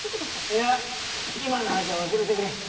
いや今の話は忘れてくれ。